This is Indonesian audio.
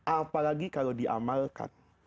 apalagi kalau diamalkan